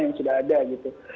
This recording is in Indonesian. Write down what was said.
yang sudah ada gitu